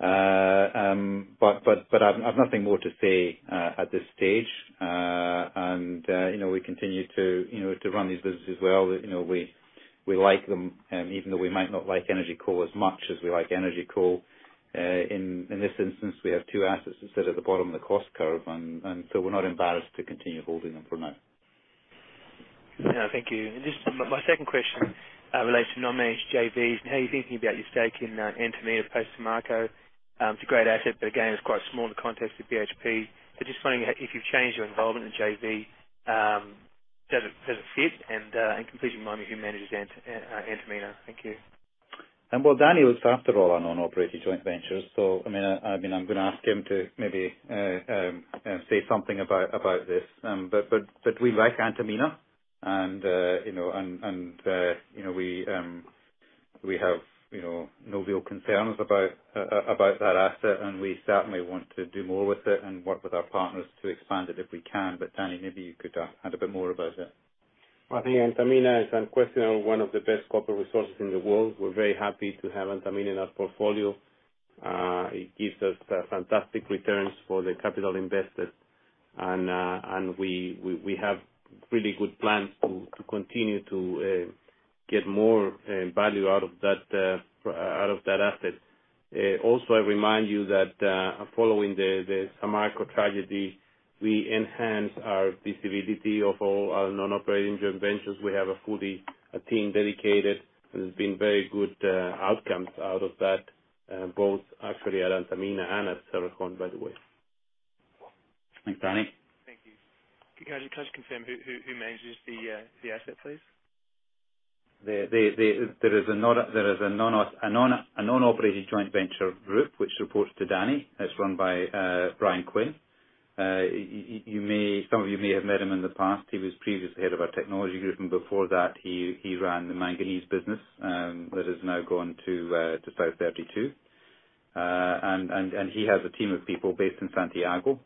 I've nothing more to say at this stage. We continue to run these businesses well. We like them, even though we might not like Energy Coal as much as we like Energy Coal. In this instance, we have two assets that sit at the bottom of the cost curve, we're not embarrassed to continue holding them for now. Thank you. Just my second question relates to non-managed JVs and how you're thinking about your stake in Antamina post Samarco. It's a great asset, again, it's quite small in the context of BHP. Just wondering if you've changed your involvement in JV. Does it fit? Completion mining, who manages Antamina? Thank you. Danny looks after all our non-operated joint ventures, I'm going to ask him to maybe say something about this. We like Antamina and we have no real concerns about that asset, and we certainly want to do more with it and work with our partners to expand it if we can. Danny, maybe you could add a bit more about it. I think Antamina is unquestionably one of the best copper resources in the world. We're very happy to have Antamina in our portfolio. It gives us fantastic returns for the capital invested. We have really good plans to continue to get more value out of that asset. Also, I remind you that following the Samarco tragedy, we enhanced our visibility of all our non-operating joint ventures. We have a fully a team dedicated, and there's been very good outcomes out of that, both actually at Antamina and at Cerro Verde, by the way. Thanks, Danny. Thank you. Guys, can I just confirm who manages the asset, please? There is a non-operated joint venture group which reports to Danny. It's run by Brian Quinn. Some of you may have met him in the past. He was previously head of our technology group, and before that he ran the manganese business that has now gone to South32. He has a team of people based in Santiago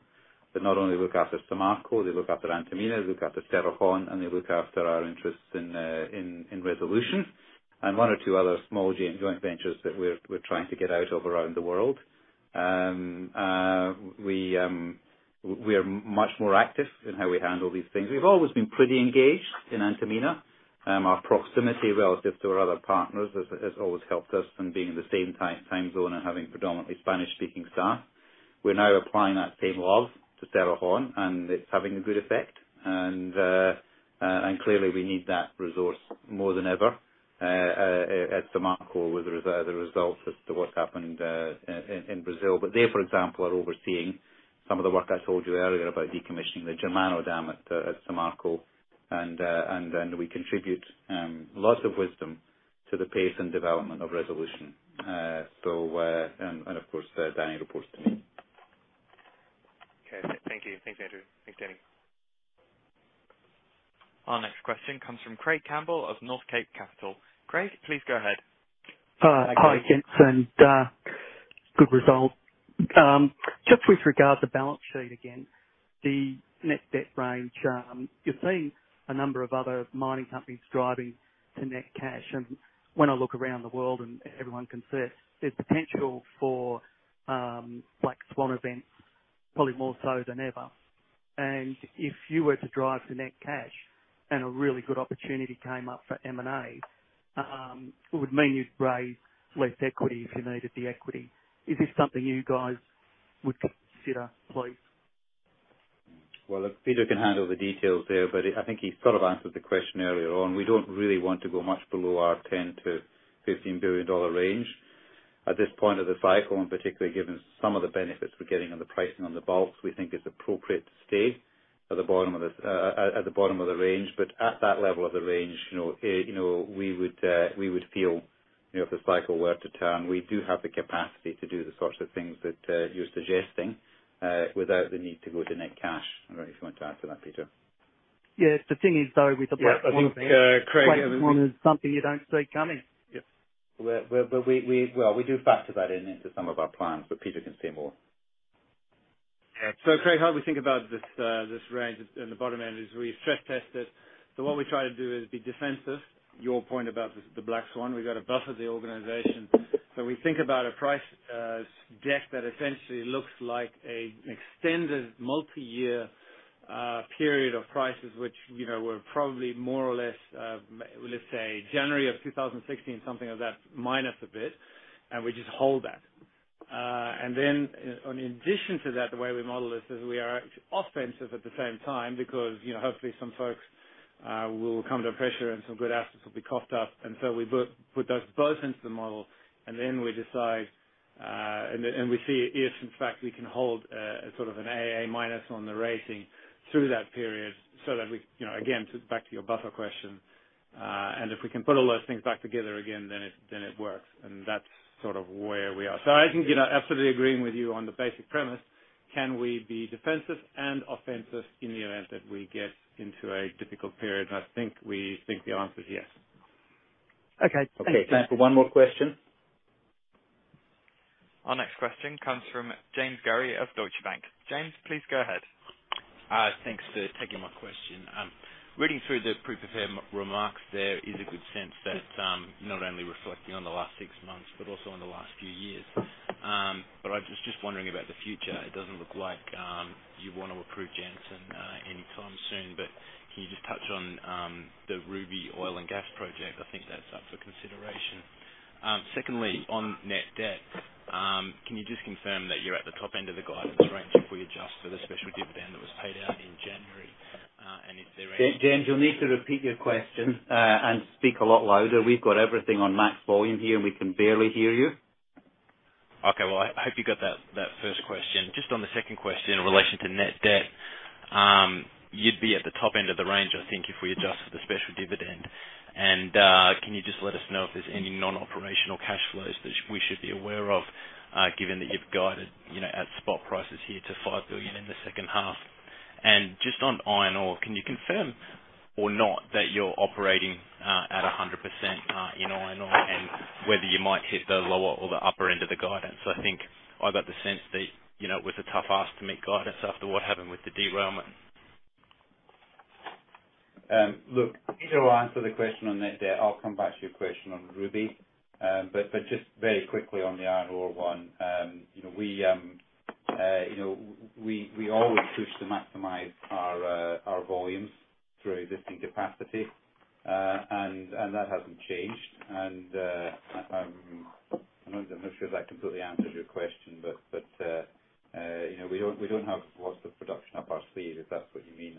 that not only look after Samarco, they look after Antamina, look after Cerro Verde, and they look after our interests in Resolution and one or two other small joint ventures that we're trying to get out of around the world. We are much more active in how we handle these things. We've always been pretty engaged in Antamina. Our proximity relative to our other partners has always helped us from being in the same time zone and having predominantly Spanish-speaking staff. We're now applying that same love to Cerro Verde, and it's having a good effect. Clearly we need that resource more than ever at Samarco as a result as to what's happened in Brazil. They, for example, are overseeing some of the work I told you earlier about decommissioning the Germano dam at Samarco. Then we contribute lots of wisdom to the pace and development of Resolution. Of course, Danny reports to me. Thanks, Andrew. Thanks, Danny. Our next question comes from Craig Campbell of Northcape Capital. Craig, please go ahead. Hi, gents, and good result. Just with regards to the balance sheet again, the net debt range, you're seeing a number of other mining companies driving to net cash. When I look around the world, and everyone can see it, there's potential for black swan events, probably more so than ever. If you were to drive to net cash and a really good opportunity came up for M&A, it would mean you'd raise less equity if you needed the equity. Is this something you guys would consider, please? Well, Peter can handle the details there, but I think he sort of answered the question earlier on. We don't really want to go much below our $10 billion-$15 billion range. At this point of the cycle, and particularly given some of the benefits we're getting on the pricing on the bulks, we think it's appropriate to stay at the bottom of the range. At that level of the range, we would feel if the cycle were to turn, we do have the capacity to do the sorts of things that you're suggesting without the need to go to net cash. I don't know if you want to add to that, Peter. Yes. The thing is, though, with the black swan- Yeah, I think, Craig- Black swan is something you don't see coming. Yep. Well, we do factor that into some of our plans, Peter can say more. Craig, how we think about this range in the bottom end is we stress test it. What we try to do is be defensive. Your point about the black swan, we've got to buffer the organization. We think about a price deck that essentially looks like an extended multi-year period of prices, which were probably more or less, let's say, January of 2016, something of that, minus a bit, we just hold that. Then in addition to that, the way we model this is we are offensive at the same time because hopefully some folks will come under pressure and some good assets will be coughed up. We put those both into the model, we decide, we see if in fact we can hold a sort of an AA- on the rating through that period so that we, again, back to your buffer question, and if we can put all those things back together again, then it works. That's sort of where we are. I think I absolutely agree with you on the basic premise. Can we be defensive and offensive in the event that we get into a difficult period? I think we think the answer is yes. Okay. Thank you. Okay. Time for one more question. Our next question comes from James Gary of Deutsche Bank. James, please go ahead. Thanks for taking my question. Reading through the prepared remarks, there is a good sense that not only reflecting on the last six months, but also on the last few years. I was just wondering about the future. It doesn't look like you want to approve Jansen anytime soon, but can you just touch on the Ruby oil and gas project? I think that's up for consideration. Secondly, on net debt, can you just confirm that you're at the top end of the guidance range if we adjust for the special dividend that was paid out in January. James, you'll need to repeat your question and speak a lot louder. We've got everything on max volume here, and we can barely hear you. Okay. Well, I hope you got that first question. Just on the second question in relation to net debt, you'd be at the top end of the range, I think, if we adjust for the special dividend. Can you just let us know if there's any non-operational cash flows that we should be aware of, given that you've guided at spot prices here to $5 billion in the second half? Just on iron ore, can you confirm or not that you're operating at 100% in iron ore and whether you might hit the lower or the upper end of the guidance? I think I got the sense that it was a tough ask to meet guidance after what happened with the derailment. Look, Peter will answer the question on net debt. I'll come back to your question on Ruby. Just very quickly on the iron ore one. We always push to maximize our volumes through existing capacity, and that hasn't changed. I'm not sure if that completely answers your question, but we don't have lots of production up our sleeve, if that's what you mean.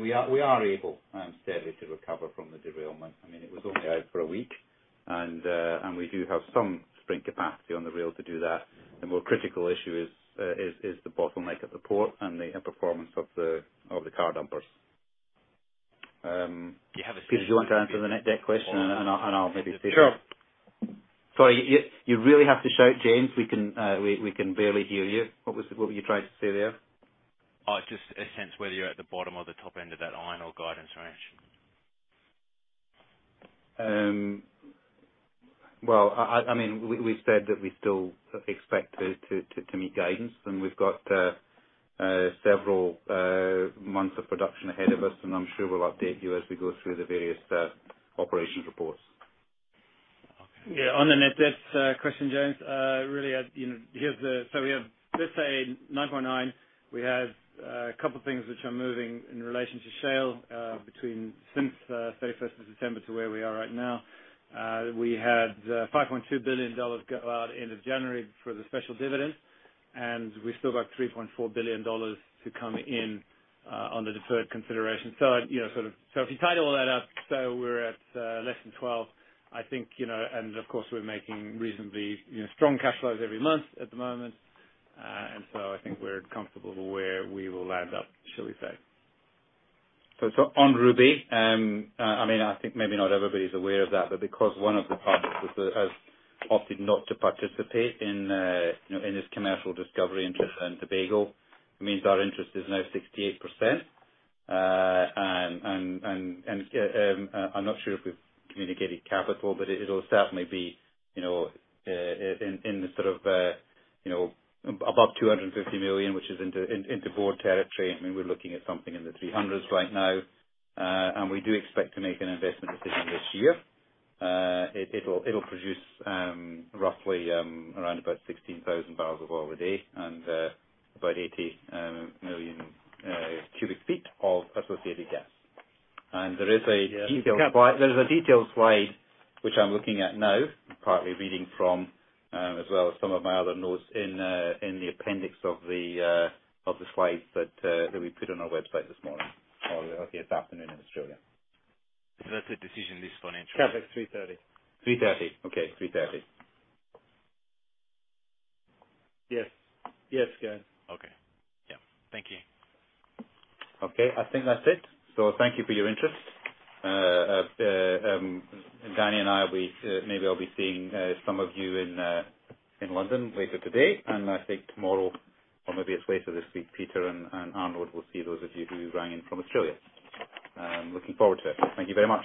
We are able, steadily, to recover from the derailment. I mean, it was only out for a week, and we do have some spare capacity on the rail to do that. The more critical issue is the bottleneck at the port and the performance of the car dumpers. You have. Peter, do you want to answer the net debt question? Sure. Sorry, you really have to shout, James. We can barely hear you. What were you trying to say there? Just a sense whether you're at the bottom or the top end of that iron ore guidance range? Well, we said that we still expect to meet guidance. We've got several months of production ahead of us. I'm sure we'll update you as we go through the various operations reports. Okay. Yeah. On the net debt question, James, we have, let's say $9.9. We have a couple of things which are moving in relation to shale since 31st of December to where we are right now. We had $5.2 billion go out end of January for the special dividend, and we've still got $3.4 billion to come in on the deferred consideration. If you total all that up, we're at less than $12, I think, and of course, we're making reasonably strong cash flows every month at the moment. I think we're comfortable with where we will land up, shall we say. On Ruby, I think maybe not everybody's aware of that, but because one of the partners has opted not to participate in this commercial discovery interest in Tobago, it means our interest is now 68%. I'm not sure if we've communicated capital, but it'll certainly be above $250 million, which is into board territory. We're looking at something in the $300s right now. We do expect to make an investment decision this year. It'll produce roughly around about 16,000 barrels of oil a day and about 80 million cubic feet of associated gas. There is a detailed slide which I'm looking at now, partly reading from, as well as some of my other notes in the appendix of the slides that we put on our website this morning or this afternoon in Australia. That's a decision this financial year. CapEx $330. 3:30. Okay. 3:30. Yes. Yes, James. Okay. Yep. Thank you. Okay, I think that's it. Thank you for your interest. Danny and I, maybe I'll be seeing some of you in London later today, and I think tomorrow or maybe it's later this week, Peter and Arnoud will see those of you who rang in from Australia. I'm looking forward to it. Thank you very much.